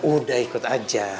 udah ikut aja